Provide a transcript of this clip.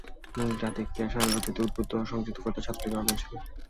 জাতিকে স্বাধীনতা যুদ্ধে উদ্বুদ্ধ ও যুক্ত করার ক্ষেত্রে ছাত্রলীগের অবদান ছিল।